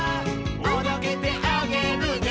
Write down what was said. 「おどけてあげるね」